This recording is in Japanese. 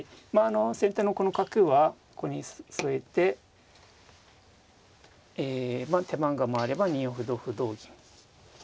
先手のこの角はここに据えてえまあ手番が回れば２四歩同歩同銀。